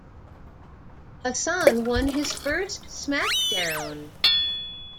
Hassan won his first SmackDown!